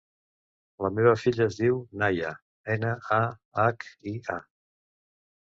La meva filla es diu Nahia: ena, a, hac, i, a.